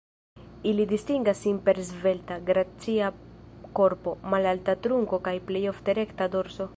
Ili distingas sin per svelta, gracia korpo, malalta trunko kaj plej ofte rekta dorso.